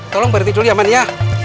tolong berhenti dulu ya man ya